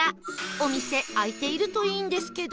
お店開いているといいんですけど